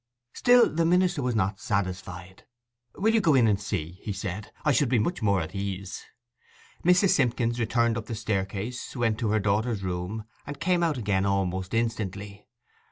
Still the minister was not satisfied. 'Will you go in and see?' he said. 'I should be much more at ease.' Mrs. Simpkins returned up the staircase, went to her daughter's room, and came out again almost instantly.